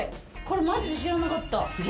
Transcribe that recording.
マジで知らなかった。